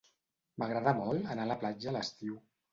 M'agrada molt anar a la platja a l'estiu.